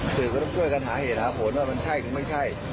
สื่อก็ต้องช่วยกันหาเหตุหาผลว่ามันใช่หรือไม่ใช่